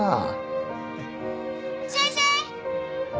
先生。